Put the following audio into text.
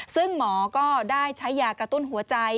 ซึ่งหมอก็ได้ใช้ยากระตุ้นหัวใจ